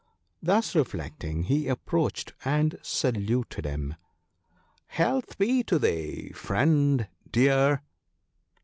Thus reflecting he approached, and saluted him. " Health be to thee, friend Deer